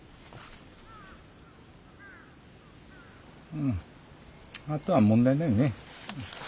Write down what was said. うんあとは問題ないね。